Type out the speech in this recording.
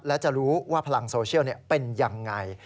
และจะรู้ว่าพลังโซเชียลเป็นยังไง